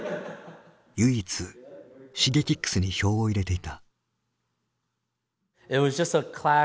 唯一Ｓｈｉｇｅｋｉｘに票を入れていた。